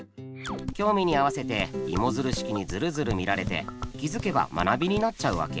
興味に合わせてイモヅル式にヅルヅル見られて気づけば学びになっちゃうわけ。